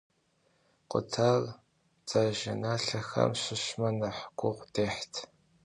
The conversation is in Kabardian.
Къутар дзажэналъэхэм щыщмэ, нэхъ гугъу дехьт.